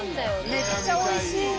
めっちゃおいしいの。